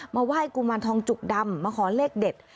ไหว้กุมารทองจุกดำมาขอเลขเด็ด